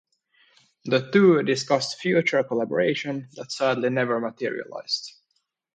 The two discussed future collaboration that sadly never materialized.